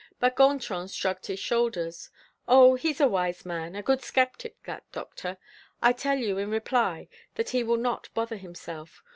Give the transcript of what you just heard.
But Gontran shrugged his shoulders: "Oh! he's a wise man, a good sceptic, that doctor. I tell you in reply that he will not bother himself.